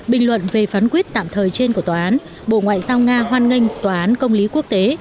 bình luận về phán quyết tạm thời trên của tòa án bộ ngoại giao nga hoan nghênh tòa án công lý quốc tế